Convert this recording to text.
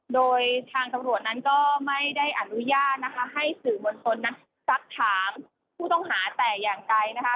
โดยทางตำรวจนั้นก็ไม่ได้อนุญาตนะคะให้สื่อมวลชนนั้นซักถามผู้ต้องหาแต่อย่างใดนะคะ